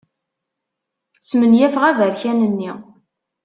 Smenyafeɣ aberkan-nni.